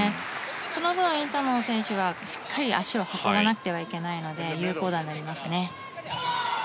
その分、インタノン選手はしっかり足を運ばなくてはいけないので有効打になりますね。